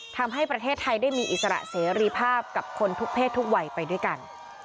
ทำให้ประเทศไทยได้มีอิสระเสรีภาพกับคนทุกเพศทุกวัยไปด้วยกัน